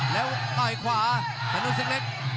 แล้วต่อยขวาธนูศึกเล็ก